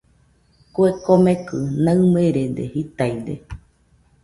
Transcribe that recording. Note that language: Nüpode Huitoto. Kue komekɨ naɨmerede jitaide.